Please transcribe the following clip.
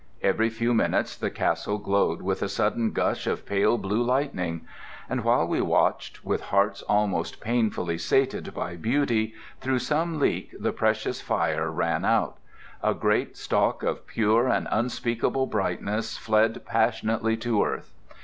Every few minutes the castle glowed with a sudden gush of pale blue lightning. And while we watched, with hearts almost painfully sated by beauty, through some leak the precious fire ran out; a great stalk of pure and unspeakable brightness fled passionately to earth.